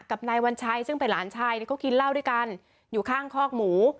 นายวัญชัยซึ่งเป็นหลานชายก็กินเหล้าด้วยกันอยู่ข้างคอกหมู